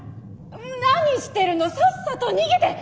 何してるのさっさと逃げて！